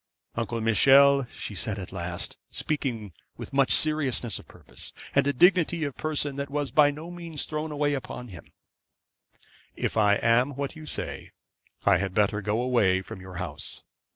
'Uncle Michel,' she said at last, speaking with much seriousness of purpose, and a dignity of person that was by no means thrown away upon him, 'if I am what you say, I had better go away from your house.